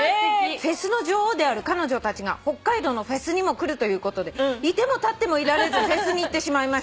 「フェスの女王である彼女たちが北海道のフェスにも来るということで居ても立ってもいられずフェスに行ってしまいました」